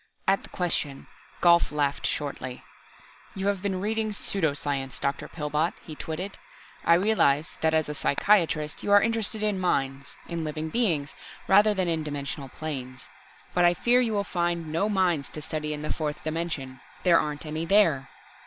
At the question, Gault laughed shortly. "You have been reading pseudo science, Dr. Pillbot," he twitted. "I realize that as a psychiatrist, you are interested in minds, in living beings, rather than in dimensional planes. But I fear you will find no minds to study in the fourth dimension. There aren't any there!"